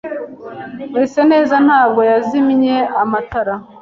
Mwiseneza ntabwo yazimye amatara.